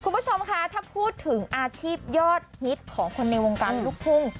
คุณผู้ชมคะถ้าพูดถึงอาชีพยอดฮิตของคนในวงการลูกทุ่ง